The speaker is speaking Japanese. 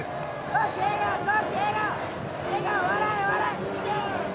笑え、笑え。